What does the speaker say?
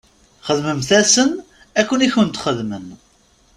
Xdmemt-asen akken i kent-xedmen.